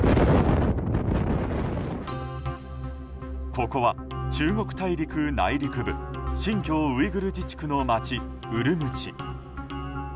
ここは中国大陸内陸部新疆ウイグル自治区の町ウルムチ。